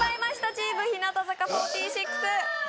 チーム日向坂４６えっ？